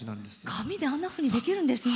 紙であんなふうにできるんですね。